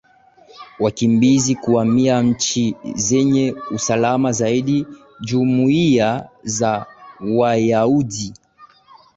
wakimbizi kuhamia nchi zenye usalama zaidi Jumuiya za Wayahudi